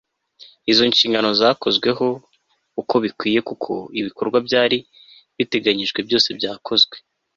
izo nshingano zakozweho uko bikwiye kuko ibikorwa byari biteganijwe byose byakozwe